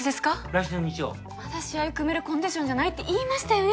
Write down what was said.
来週の日曜まだ試合組めるコンディションじゃないって言いましたよね